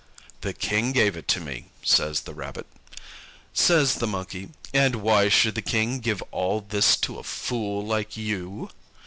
"The King gave it to me," says the Rabbit. Says the Monkey, "And why should the King give all this to a fool like you?"